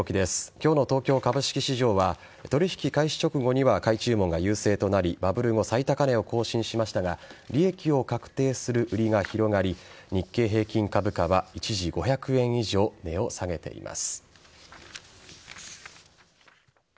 今日の東京株式市場は取引開始直後には買い注文が優勢となりバブル後最高値を更新しましたが利益を確定する売りが広がり日経平均株価は一時５００円以上値を下げています。